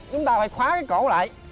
chúng ta phải khóa cái cổ lại